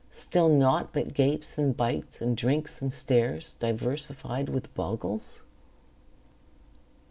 Still naught but gapes and bites, And drinks and stares, diversified with boggles?